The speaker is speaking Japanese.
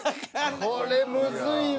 これむずいわ。